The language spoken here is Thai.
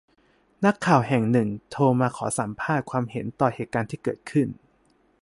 นักข่าวแห่งหนึ่งโทรมาขอสัมภาษณ์ความเห็นต่อเหตุการณ์ที่เกิดขึ้น